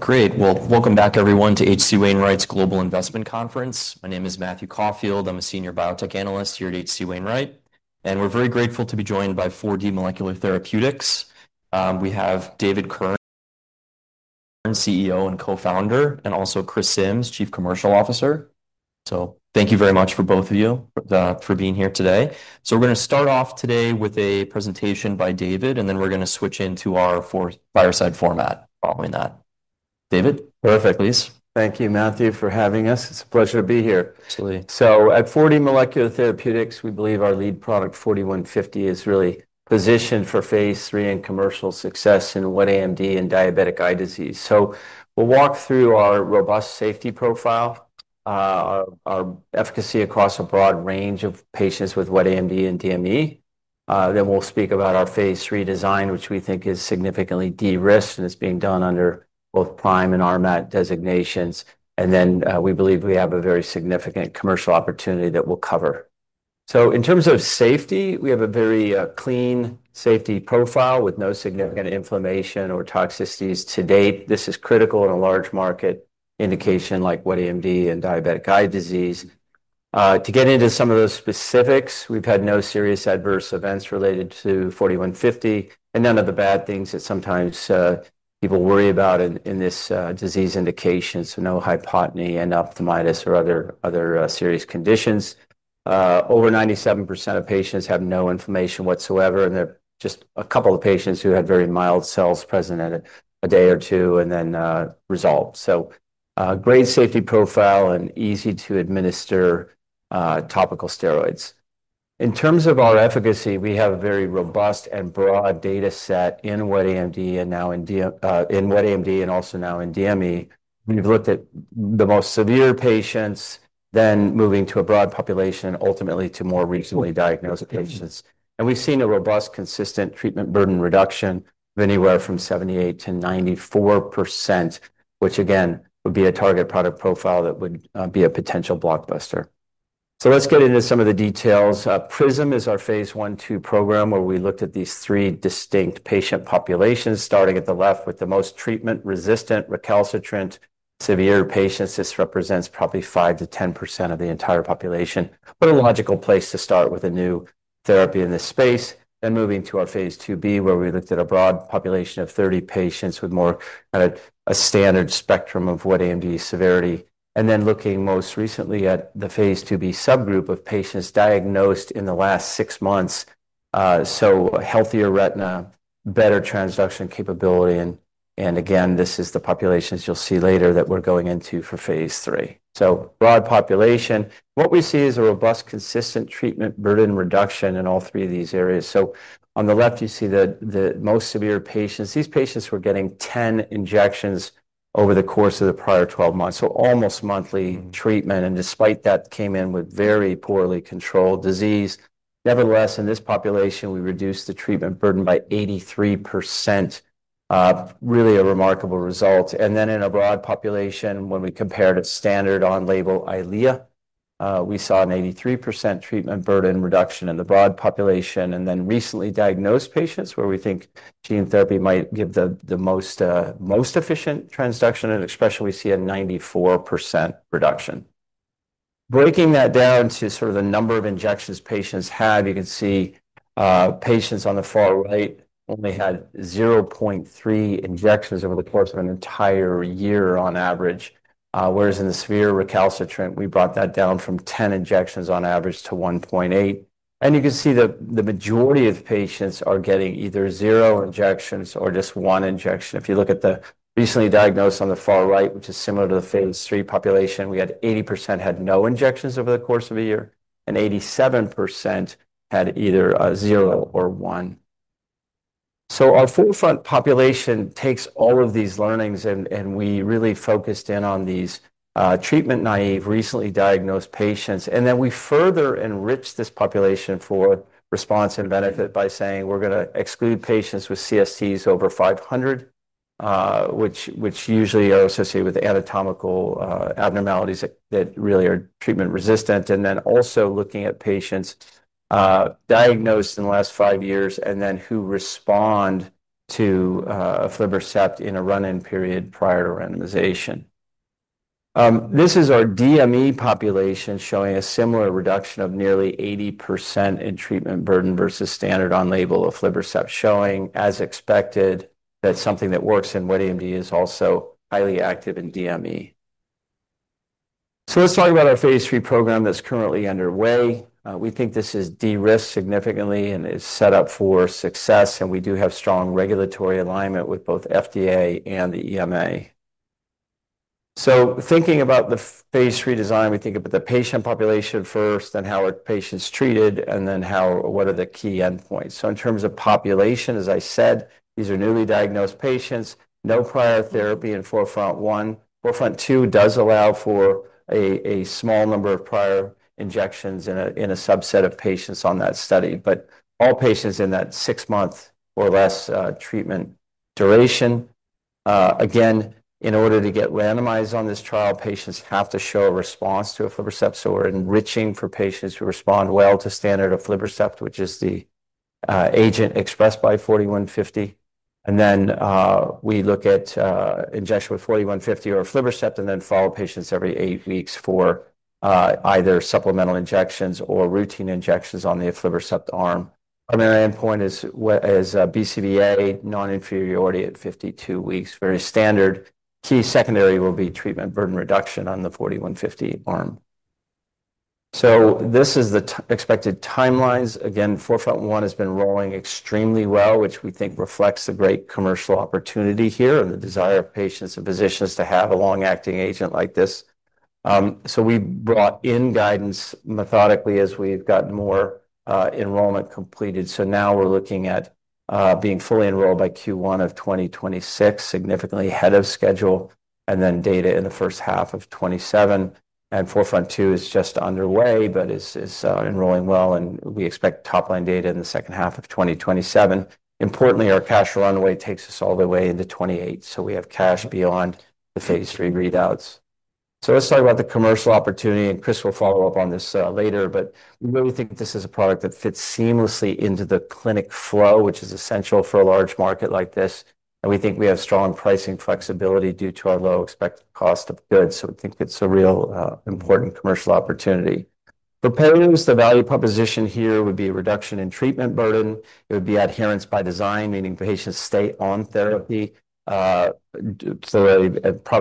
Great. Welcome back everyone to H.C. Wainwright's Global Investment Conference. My name is Matthew Caulfield, I'm a Senior Biotech Analyst here at H.C. Wainwright, and we're very grateful to be joined by 4D Molecular Therapeutics. We have David Kirn, CEO and co-founder, and also Chris Sims, Chief Commercial Officer. Thank you very much to both of you for being here today. We're going to start off today with a presentation by David, and then we're going to switch into our fourth fireside format following that. David? Perfect, please. Thank you, Matthew, for having us. It's a pleasure to be here. Absolutely. At 4D Molecular Therapeutics, we believe our lead product, 4D-150, is really positioned for Phase 3 and commercial success in wet AMD and diabetic eye disease. We will walk through our robust safety profile, our efficacy across a broad range of patients with wet AMD and DME. We will speak about our Phase 3 design, which we think is significantly de-risked and is being done under both PRIME and RMAT designations. We believe we have a very significant commercial opportunity that we will cover. In terms of safety, we have a very clean safety profile with no significant inflammation or toxicities to date. This is critical in a large market indication like wet AMD and diabetic eye disease. To get into some of those specifics, we have had no serious adverse events related to 4D-150 and none of the bad things that sometimes people worry about in this disease indication. No hypotony, endophthalmitis, or other serious conditions. Over 97% of patients have no inflammation whatsoever, and there are just a couple of patients who had very mild cells present in a day or two and then resolved. Great safety profile and easy to administer, topical steroids. In terms of our efficacy, we have a very robust and broad data set in wet AMD and now in DME. We have looked at the most severe patients, then moving to a broad population and ultimately to more recently diagnosed patients. We have seen a robust, consistent treatment burden reduction of anywhere from 78% to 94%, which again would be a target product profile that would be a potential blockbuster. Let us get into some of the details. Prism is our Phase 1/2 program where we looked at these three distinct patient populations, starting at the left with the most treatment-resistant, recalcitrant severe patients. This represents probably 5% to 10% of the entire population. What a logical place to start with a new therapy in this space. Then moving to our Phase 2b, where we looked at a broad population of 30 patients with more of a standard spectrum of wet AMD severity. Looking most recently at the Phase 2b subgroup of patients diagnosed in the last six months, a healthier retina, better transduction capability. This is the population you will see later that we are going into for Phase 3. Broad population. What we see is a robust, consistent treatment burden reduction in all three of these areas. On the left, you see the most severe patients. These patients were getting 10 injections over the course of the prior 12 months, so almost monthly treatment. Despite that, came in with very poorly controlled disease. Nevertheless, in this population, we reduced the treatment burden by 83%. Really a remarkable result. In a broad population, when we compared it to standard on-label Eylea, we saw an 83% treatment burden reduction in the broad population. In recently diagnosed patients where we think gene therapy might give the most, most efficient transduction, especially we see a 94% reduction. Breaking that down to the number of injections patients had, you can see patients on the far right only had 0.3 injections over the course of an entire year on average, whereas in the severe recalcitrant, we brought that down from 10 injections on average to 1.8. The majority of patients are getting either zero injections or just one injection. If you look at the recently diagnosed on the far right, which is similar to the Phase 3 population, we had 80% had no injections over the course of a year, and 87% had either zero or one. Our Forefront population takes all of these learnings, and we really focused in on these treatment-naïve, recently diagnosed patients. We further enriched this population for response and benefit by saying we're going to exclude patients with CSCs over 500, which usually are associated with anatomical abnormalities that really are treatment resistant. Also looking at patients diagnosed in the last five years and then who respond to aflibercept in a run-in period prior to randomization. This is our DME population showing a similar reduction of nearly 80% in treatment burden versus standard on-label aflibercept, showing, as expected, that something that works in wet AMD is also highly active in DME. Let's talk about our Phase 3 program that's currently underway. We think this is de-risked significantly and is set up for success, and we do have strong regulatory alignment with both FDA and the EMA. Thinking about the Phase 3 design, we think about the patient population first and how are patients treated and then what are the key endpoints. In terms of population, as I said, these are newly diagnosed patients, no prior therapy in Forefront 1. Forefront 2 does allow for a small number of prior injections in a subset of patients on that study, but all patients in that six months or less treatment duration. In order to get randomized on this trial, patients have to show a response to aflibercept, so we're enriching for patients who respond well to standard aflibercept, which is the agent expressed by 4D-150. We look at injection with 4D-150 or aflibercept and then follow patients every eight weeks for either supplemental injections or routine injections on the aflibercept arm. Primary endpoint is BCVA, non-inferiority at 52 weeks, very standard. Key secondary will be treatment burden reduction on the 4D-150 arm. This is the expected timelines. Forefront 1 has been rolling extremely well, which we think reflects a great commercial opportunity here and the desire of patients and physicians to have a long-acting agent like this. We brought in guidance methodically as we've gotten more enrollment completed. Now we're looking at being fully enrolled by Q1 of 2026, significantly ahead of schedule, and then data in the first half of 2027. Forefront 2 is just underway, but is enrolling well, and we expect top-line data in the second half of 2027. Importantly, our cash runway takes us all the way into 2028, so we have cash beyond the Phase 3 readouts. Let's talk about the commercial opportunity, and Chris will follow up on this later, but we really think this is a product that fits seamlessly into the clinic flow, which is essential for a large market like this. We think we have strong pricing flexibility due to our low expected cost of goods. We think it's a real, important commercial opportunity. For patients, the value proposition here would be reduction in treatment burden. It would be adherence by design, meaning patients stay on therapy, probably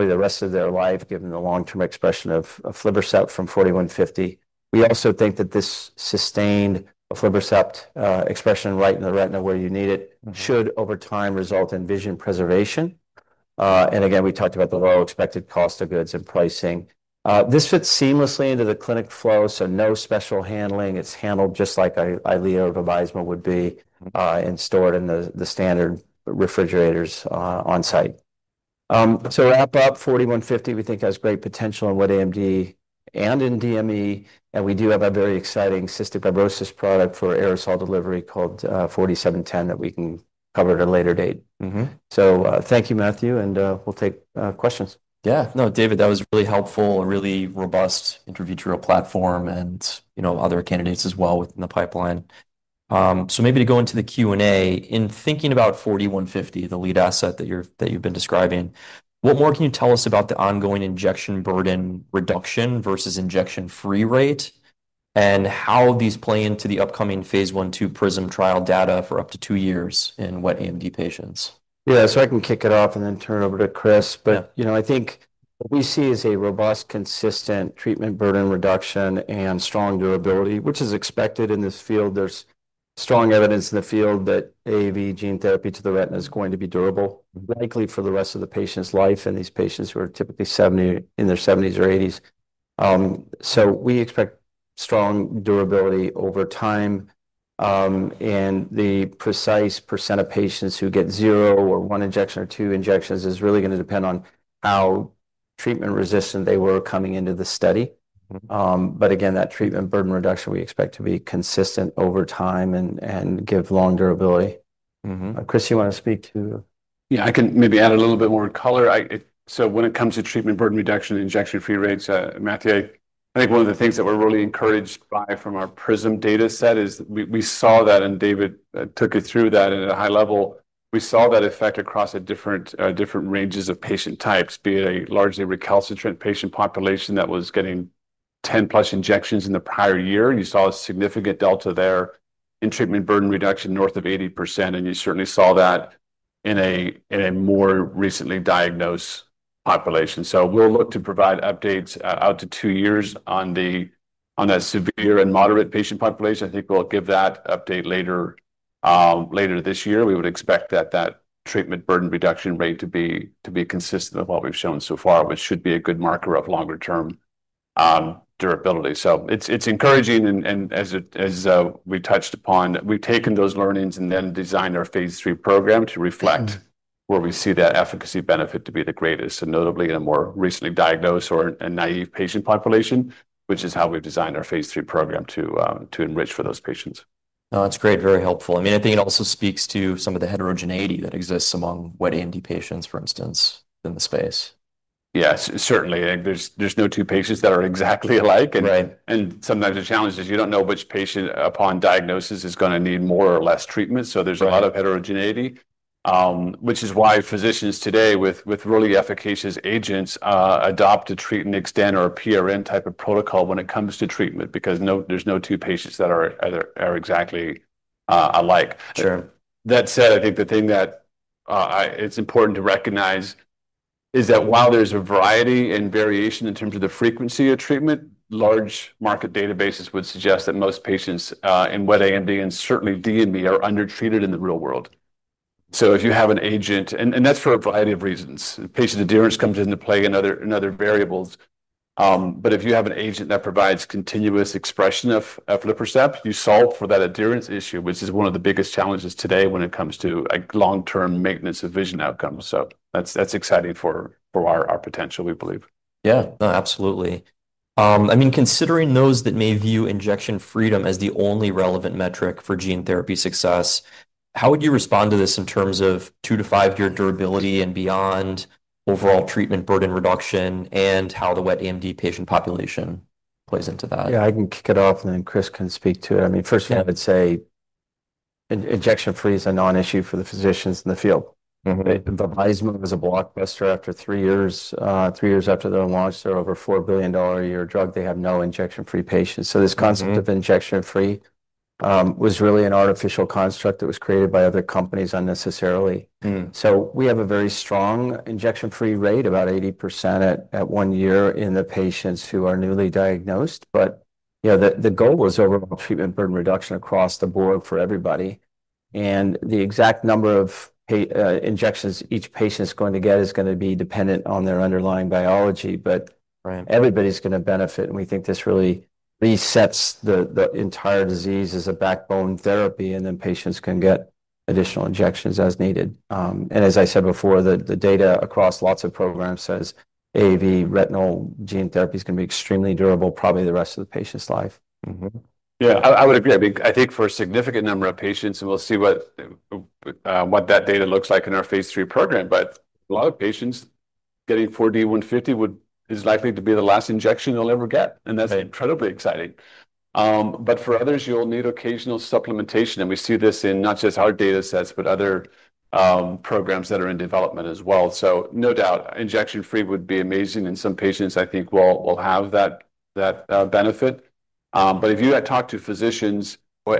the rest of their life, given the long-term expression of aflibercept from 4D-150. We also think that this sustained aflibercept expression right in the retina where you need it should, over time, result in vision preservation. We talked about the low expected cost of goods and pricing. This fits seamlessly into the clinic flow, so no special handling. It's handled just like an Eylea or Viviesma would be, and stored in the standard refrigerators, on site. To wrap up, 4D-150, we think, has great potential in wet AMD and in DME, and we do have a very exciting cystic fibrosis product for aerosol delivery called 4D-710 that we can cover at a later date. Thank you, Matthew, and we'll take questions. Yeah, no, David, that was really helpful, a really robust in vitro platform and, you know, other candidates as well within the pipeline. Maybe to go into the Q&A, in thinking about 4D-150, the lead asset that you're, that you've been describing, what more can you tell us about the ongoing injection burden reduction versus injection free rate? How do these play into the upcoming Phase 1/2 Prism trial data for up to two years in wet AMD patients? Yeah, I can kick it off and then turn over to Chris, but you know, I think what we see is a robust, consistent treatment burden reduction and strong durability, which is expected in this field. There's strong evidence in the field that AAV gene therapy to the retina is going to be durable, likely for the rest of the patient's life, and these patients who are typically in their 70s or 80s. We expect strong durability over time. The precise % of patients who get zero or one injection or two injections is really going to depend on how treatment resistant they were coming into the study. That treatment burden reduction we expect to be consistent over time and give long durability. Chris, do you want to speak to? Yeah, I can maybe add a little bit more color. When it comes to treatment burden reduction and injection free rates, Matthew, I think one of the things that we're really encouraged by from our Prism data set is that we saw that, and David took it through that at a high level. We saw that effect across different ranges of patient types, be it a largely recalcitrant patient population that was getting 10 plus injections in the prior year, and you saw a significant delta there in treatment burden reduction north of 80%, and you certainly saw that in a more recently diagnosed population. We'll look to provide updates out to two years on that severe and moderate patient population. I think we'll give that update later this year. We would expect that treatment burden reduction rate to be consistent with what we've shown so far, which should be a good marker of longer term durability. It's encouraging, and as we touched upon, we've taken those learnings and then designed our Phase 3 program to reflect where we see that efficacy benefit to be the greatest, notably in a more recently diagnosed or a naive patient population, which is how we've designed our Phase 3 program to enrich for those patients. No, that's great. Very helpful. I mean, I think it also speaks to some of the heterogeneity that exists among wet AMD patients, for instance, within the space. Yes, certainly. There's no two patients that are exactly alike. Sometimes the challenge is you don't know which patient upon diagnosis is going to need more or less treatment. There's a lot of heterogeneity, which is why physicians today with really efficacious agents adopt a treat and extend or a PRN type of protocol when it comes to treatment because there's no two patients that are exactly alike. That said, I think the thing that it's important to recognize is that while there's a variety and variation in terms of the frequency of treatment, large market databases would suggest that most patients in wet AMD and certainly DME are undertreated in the real world. If you have an agent, and that's for a variety of reasons, patient adherence comes into play and other variables. If you have an agent that provides continuous expression of aflibercept, you solve for that adherence issue, which is one of the biggest challenges today when it comes to long-term maintenance of vision outcomes. That's exciting for our potential, we believe. Yeah, no, absolutely. I mean, considering those that may view injection freedom as the only relevant metric for gene therapy success, how would you respond to this in terms of two to five-year durability and beyond, overall treatment burden reduction, and how the wet AMD patient population plays into that? Yeah, I can kick it off and then Chris can speak to it. I mean, first thing I would say, injection free is a non-issue for the physicians in the field. Viviesma was a blockbuster after three years, three years after their launch, so over a $4 billion a year drug, they have no injection-free patients. This concept of injection-free was really an artificial construct that was created by other companies unnecessarily. We have a very strong injection-free rate, about 80% at one year in the patients who are newly diagnosed. The goal was overall treatment burden reduction across the board for everybody. The exact number of injections each patient is going to get is going to be dependent on their underlying biology, but everybody's going to benefit. We think this really resets the entire disease as a backbone therapy, and then patients can get additional injections as needed. As I said before, the data across lots of programs says AAV retinal gene therapy is going to be extremely durable, probably the rest of the patient's life. Yeah, I would agree. I mean, I think for a significant number of patients, and we'll see what that data looks like in our Phase 3 program, but a lot of patients getting 4D-150 is likely to be the last injection they'll ever get. That's incredibly exciting. For others, you'll need occasional supplementation. We see this in not just our data sets, but other programs that are in development as well. No doubt injection-free would be amazing, and some patients, I think, will have that benefit. If you talk to physicians or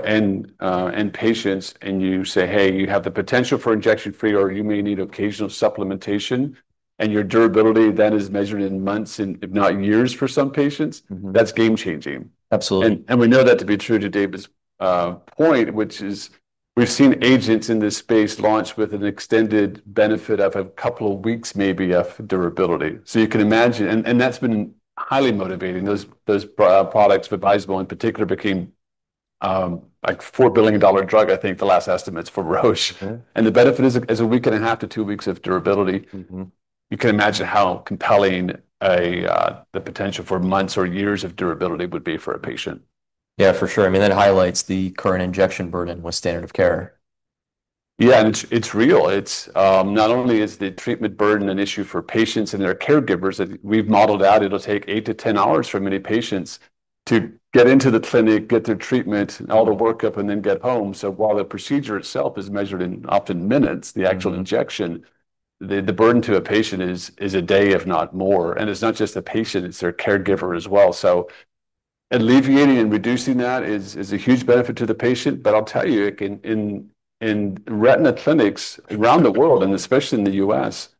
patients, and you say, hey, you have the potential for injection-free, or you may need occasional supplementation, and your durability then is measured in months, if not years for some patients, that's game-changing. Absolutely. We know that to be true to David's point, which is we've seen agents in this space launch with an extended benefit of a couple of weeks, maybe, of durability. You can imagine, and that's been highly motivating. Those products, with Vabysmo in particular, became like a $4 billion drug, I think the last estimates for Roche. The benefit is, as a week and a half to two weeks of durability, you can imagine how compelling the potential for months or years of durability would be for a patient. Yeah, for sure. I mean, that highlights the current injection burden with standard of care. Yeah, and it's real. Not only is the treatment burden an issue for patients and their caregivers that we've modeled out, it'll take eight to ten hours for many patients to get into the clinic, get their treatment, all the workup, and then get home. While the procedure itself is measured in often minutes, the actual injection, the burden to a patient is a day, if not more. It's not just the patient, it's their caregiver as well. Alleviating and reducing that is a huge benefit to the patient. I'll tell you, in retina clinics around the world, and especially in the U.S.,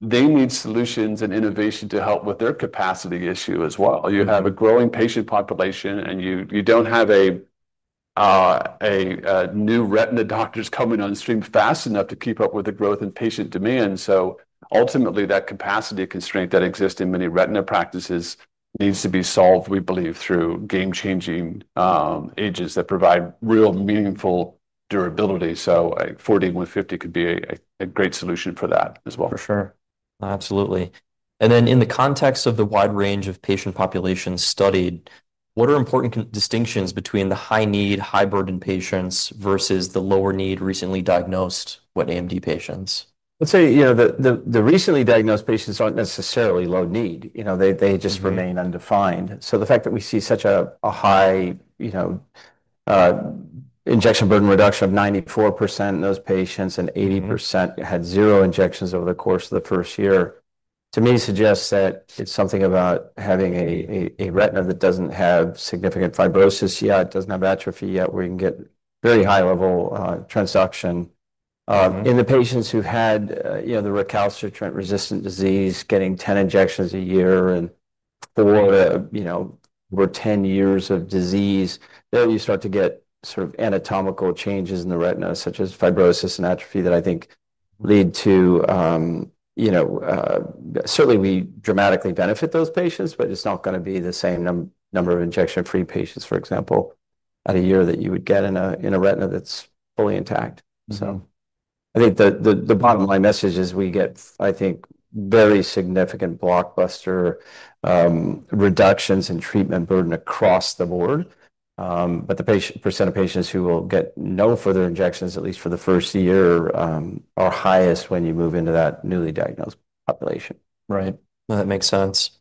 they need solutions and innovation to help with their capacity issue as well. You have a growing patient population, and you don't have new retina doctors coming on the stream fast enough to keep up with the growth in patient demand. Ultimately, that capacity constraint that exists in many retina practices needs to be solved, we believe, through game-changing agents that provide real meaningful durability. 4D-150 could be a great solution for that as well. For sure. Absolutely. In the context of the wide range of patient populations studied, what are important distinctions between the high-need, high-burden patients versus the lower-need, recently diagnosed wet AMD patients? Let's say the recently diagnosed patients aren't necessarily low-need. They just remain undefined. The fact that we see such a high injection burden reduction of 94% in those patients and 80% had zero injections over the course of the first year, to me, suggests that it's something about having a retina that doesn't have significant fibrosis yet, doesn't have atrophy yet, where you can get very high-level transduction. In the patients who had the recalcitrant resistant disease, getting 10 injections a year and four of it were 10 years of disease, there you start to get sort of anatomical changes in the retina, such as fibrosis and atrophy that I think lead to, certainly we dramatically benefit those patients, but it's not going to be the same number of injection-free patients, for example, at a year that you would get in a retina that's fully intact. I think the bottom line message is we get, I think, very significant blockbuster reductions in treatment burden across the board, but the percent of patients who will get no further injections, at least for the first year, are highest when you move into that newly diagnosed population. Right. No, that makes sense.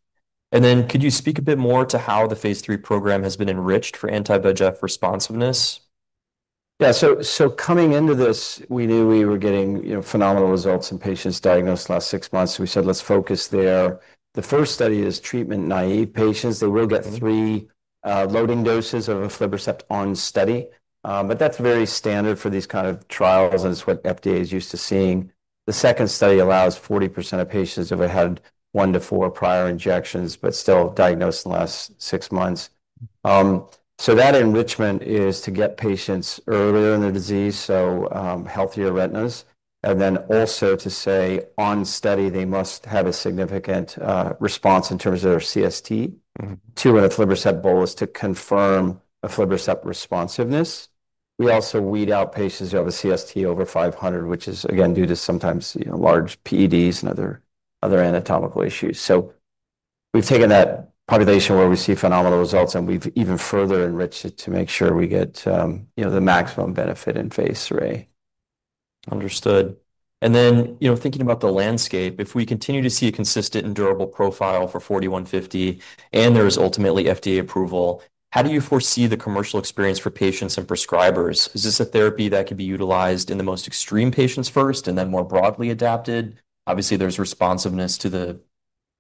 Could you speak a bit more to how the Phase 3 program has been enriched for anti-VEGF responsiveness? Yeah, coming into this, we knew we were getting phenomenal results in patients diagnosed in the last six months. We said, let's focus there. The first study is treatment-naïve patients. They will get three loading doses of aflibercept on study. That's very standard for these kinds of trials, and it's what FDA is used to seeing. The second study allows 40% of patients to have had one to four prior injections, but still diagnosed in the last six months. That enrichment is to get patients earlier in the disease, healthier retinas, and then also to say on study they must have a significant response in terms of their CST to an aflibercept bolus to confirm aflibercept responsiveness. We also weed out patients who have a CST over 500, which is again due to sometimes large PEDs and other anatomical issues. We've taken that population where we see phenomenal results, and we've even further enriched it to make sure we get the maximum benefit in phase 3. Understood. You know, thinking about the landscape, if we continue to see a consistent and durable profile for 4D-150, and there is ultimately FDA approval, how do you foresee the commercial experience for patients and prescribers? Is this a therapy that could be utilized in the most extreme patients first and then more broadly adapted? Obviously, there's responsiveness to the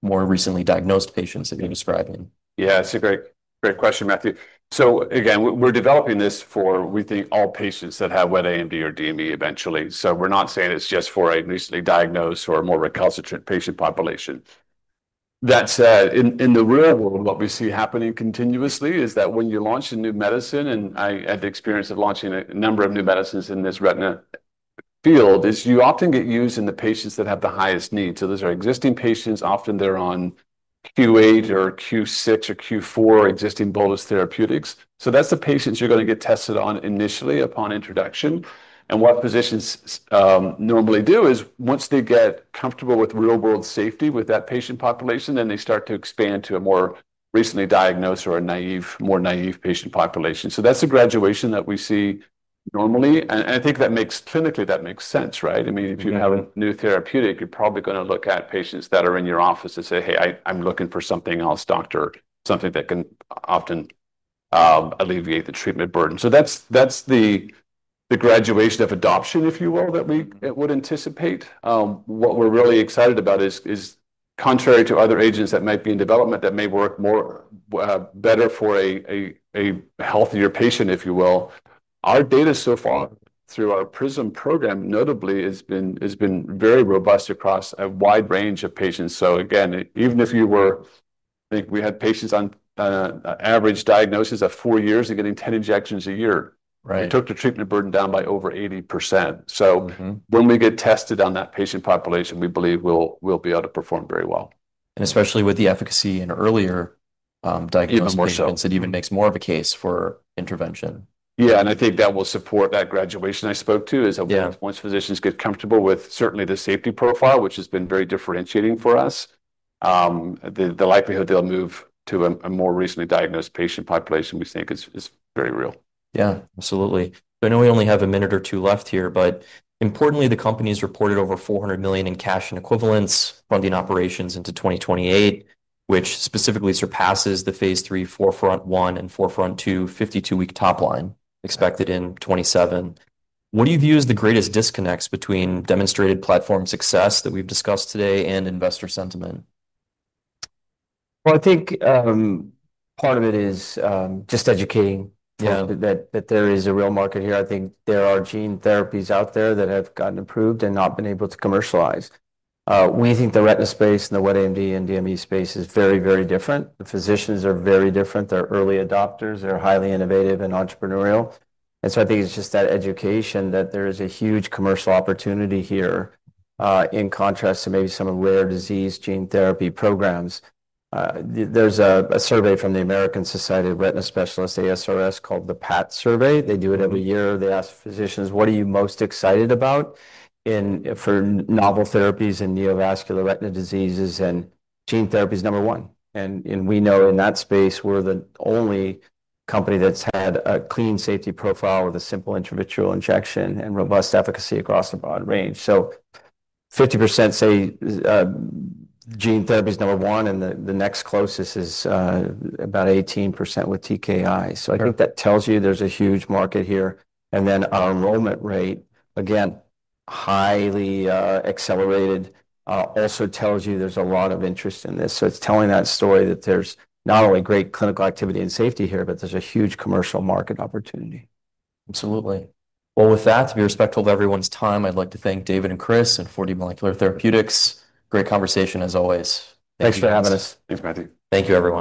more recently diagnosed patients that you're describing. Yeah, it's a great, great question, Matthew. Again, we're developing this for, we think, all patients that have wet AMD or DME eventually. We're not saying it's just for a recently diagnosed or a more recalcitrant patient population. That said, in the real world, what we see happening continuously is that when you launch a new medicine, and I had the experience of launching a number of new medicines in this retina field, you often get used in the patients that have the highest need. Those are existing patients, often they're on Q8 or Q6 or Q4 existing bolus therapeutics. That's the patients you're going to get tested on initially upon introduction. What physicians normally do is once they get comfortable with real-world safety with that patient population, they start to expand to a more recently diagnosed or a more naive patient population. That's a graduation that we see normally. I think that makes clinically, that makes sense, right? I mean, if you have a new therapeutic, you're probably going to look at patients that are in your office and say, "Hey, I'm looking for something else, doctor, something that can often alleviate the treatment burden." That's the graduation of adoption, if you will, that we would anticipate. What we're really excited about is, contrary to other agents that might be in development that may work more, better for a healthier patient, if you will, our data so far through our Prism program notably has been very robust across a wide range of patients. Again, even if you were, I think we had patients on average diagnosis of four years and getting 10 injections a year. Right. It took the treatment burden down by over 80%. When we get tested on that patient population, we believe we'll be able to perform very well. Especially with the efficacy in earlier diagnosis, I think that even makes more of a case for intervention. Yeah, I think that will support that graduation I spoke to, is that once physicians get comfortable with certainly the safety profile, which has been very differentiating for us, the likelihood they'll move to a more recently diagnosed patient population, we think, is very real. Absolutely. I know we only have a minute or two left here, but importantly, the company has reported over $400 million in cash and equivalents funding operations into 2028, which specifically surpasses the Phase 3 Forefront 1 and Forefront 2 52-week top line expected in 2027. What do you view as the greatest disconnects between demonstrated platform success that we've discussed today and investor sentiment? I think part of it is just educating, you know, that there is a real market here. I think there are gene therapies out there that have gotten approved and not been able to commercialize. We think the retina space and the wet AMD and DME space is very, very different. The physicians are very different. They're early adopters. They're highly innovative and entrepreneurial. I think it's just that education that there is a huge commercial opportunity here, in contrast to maybe some of the rare disease gene therapy programs. There's a survey from the American Society of Retina Specialists, ASRS, called the PAT survey. They do it every year. They ask physicians what are you most excited about in for novel therapies in neovascular retina diseases? Gene therapy is number one. We know in that space, we're the only company that's had a clean safety profile with a simple intravitreal injection and robust efficacy across a broad range. So 50% say gene therapy is number one, and the next closest is about 18% with TKI. I think that tells you there's a huge market here. Our enrollment rate, again, highly accelerated, also tells you there's a lot of interest in this. It's telling that story that there's not only great clinical activity and safety here, but there's a huge commercial market opportunity. Absolutely. With that, to be respectful of everyone's time, I'd like to thank David and Chris at 4D Molecular Therapeutics. Great conversation as always. Thanks for having us. Thanks, Matthew. Thank you, everyone.